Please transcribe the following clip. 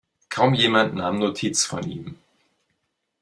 Kaum jemand nahm Notiz von ihm.